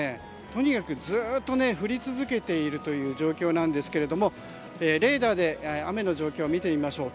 とにかくずっと降り続けている状況なんですがレーダーで雨の状況を見てみましょう。